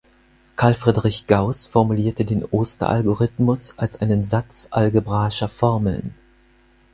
Carl Friedrich Gauß formulierte den Oster-Algorithmus als einen Satz algebraischer Formeln.